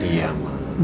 baik sama andi